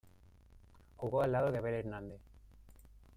Jugó al lado de Abel Hernández.